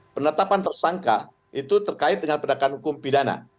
penetapan tersangka itu terkait dengan penegakan hukum pidana